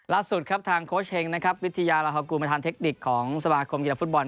ล่าสุดครับทางโค้ชเฮงนะครับวิทยาลาฮากูลประธานเทคนิคของสมาคมกีฬาฟุตบอล